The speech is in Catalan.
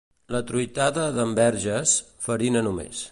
La truitada d'en Verges: farina només.